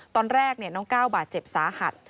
ตอนแรกน้องก้าวบาดเจ็บสาหัส